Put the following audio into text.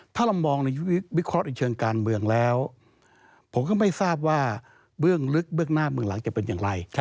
ถ้าเรามองในวิเคราะห์ในเชิงการเมืองแล้วผมก็ไม่ทราบว่าเบื้องลึกเบื้องหน้าเบื้องหลังจะเป็นอย่างไร